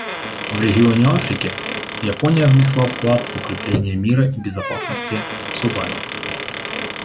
В регионе Африки Япония внесла вклад в укрепление мира и безопасности в Судане.